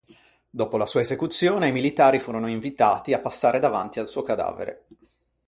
Dopo la sua esecuzione, i militari furono invitati a passare davanti al suo cadavere.